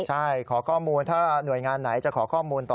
ใช่ขอข้อมูลถ้าหน่วยงานไหนจะขอข้อมูลต่อ